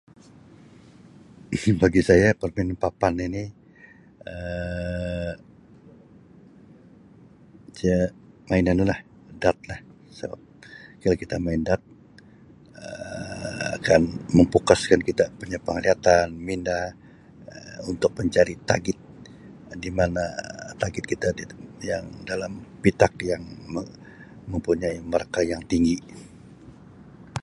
Bagi saya permainan papan ini Um saya main anu lah dart lah so kalau kita main dart Um akan memfokuskan kita punya penglihatan, minda, Um untuk mencari taget di mana taget kita di Um yang dalam pitak yang me-mempunyai markah yang tinggi.